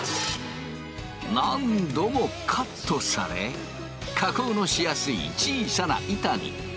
何度もカットされ加工のしやすい小さな板に。